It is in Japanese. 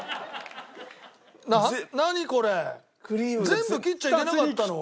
全部切っちゃいけなかったの？